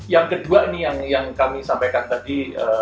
yang kedua nih yang kami sampaikan tadi